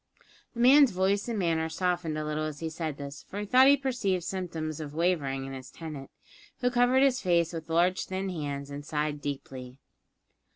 The man's voice and manner softened a little as he said this, for he thought he perceived symptoms of wavering in his tenant, who covered his face with his large thin hands and sighed deeply.